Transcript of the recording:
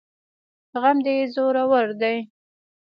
غم دي زورور دی